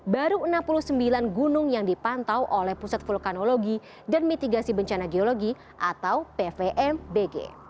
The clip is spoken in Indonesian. baru enam puluh sembilan gunung yang dipantau oleh pusat vulkanologi dan mitigasi bencana geologi atau pvmbg